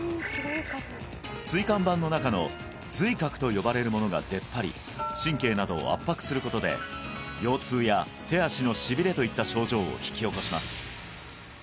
椎間板の中の髄核と呼ばれるものが出っ張り神経などを圧迫することで腰痛や手足のしびれといった症状を引き起こします